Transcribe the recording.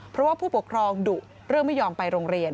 เพราะว่าผู้ปกครองดุเรื่องไม่ยอมไปโรงเรียน